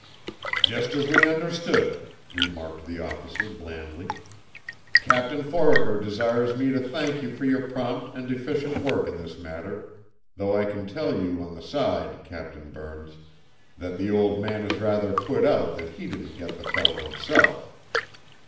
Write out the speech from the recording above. "Just as we understood," remarked the officer blandly. "Captain Foraker desires me to thank you for your prompt and efficient work in this matter, though I can tell you on the side, Captain Burns, that the old man is rather put out that he didn't get the fellow himself.